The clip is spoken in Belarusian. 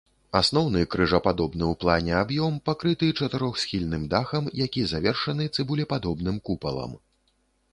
Асноўны крыжападобны ў плане аб'ём пакрыты чатырохсхільным дахам, які завершаны цыбулепадобным купалам.